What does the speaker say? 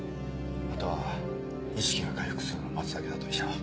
あとは意識が回復するのを待つだけだと医者は。